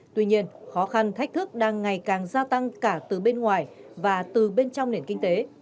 tuy nhiên khó khăn thách thức đang ngày càng gia tăng cả từ bên ngoài và từ bên trong nền kinh tế